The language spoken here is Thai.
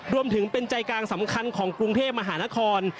รวมถึงเป็นใจกลางสำคัญของกรุงเทพมหานคร